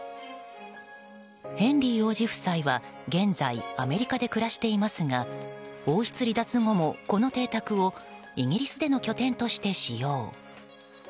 ヘンリー王子夫妻は現在アメリカで暮らしていますが王室離脱後も、この邸宅をイギリスでの拠点として使用。